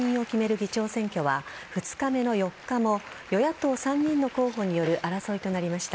議長選挙は２日目の４日も与野党３人の候補による争いとなりました。